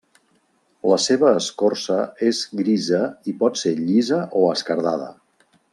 La seva escorça és grisa i pot ser llisa o esquerdada.